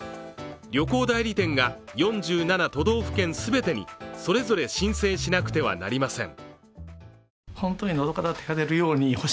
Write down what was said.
旅行代理店が４７都道府県全てにそれぞれ申請しなくてはなりません。